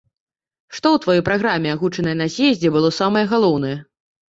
Што ў тваёй праграме, агучанай на з'ездзе, было самае галоўнае?